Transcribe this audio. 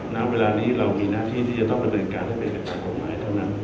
ณเวลานี้เรามีหน้าที่ที่จะต้องดำเนินการให้เป็นไปตามกฎหมายเท่านั้น